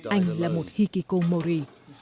anh là một hikikomori